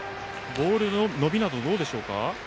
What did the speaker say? ボールの伸びなどはどうでしょうか？